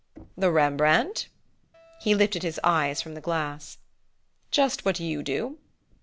"The Rembrandt?" He lifted his eyes from the glass. "Just what you do."